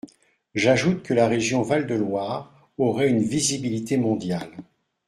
J’ajoute que la région Val-de-Loire aurait une visibilité mondiale.